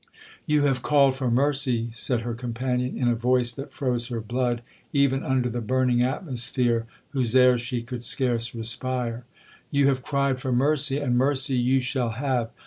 'You have called for mercy,' said her companion, in a voice that froze her blood even under the burning atmosphere, whose air she could scarce respire. 'You have cried for mercy, and mercy you shall have.